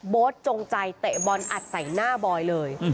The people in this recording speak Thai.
จงใจเตะบอลอัดใส่หน้าบอยเลย